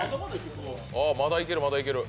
まだいける、まだいける。